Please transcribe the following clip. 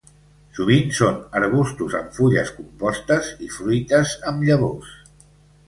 Sovint són arbustos amb fulles compostes i fruites amb llavors.